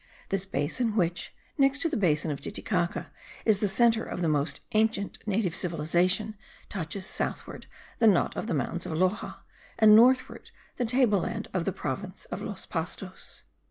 This basin which, next to the basin of Titicaca, is the centre of the most ancient native civilization, touches, southward, the knot of the mountains of Loxa, and northward the tableland of the province of Los Pastos.